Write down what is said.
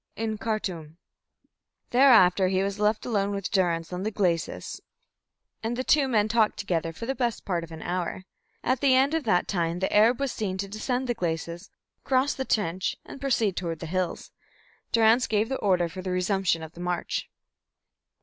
"In Khartum." Thereafter he was left alone with Durrance on the glacis, and the two men talked together for the best part of an hour. At the end of that time the Arab was seen to descend the glacis, cross the trench, and proceed toward the hills. Durrance gave the order for the resumption of the march.